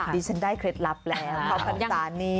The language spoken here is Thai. ดิฉันได้เคล็ดลับแล้วข้าวพรรษานี่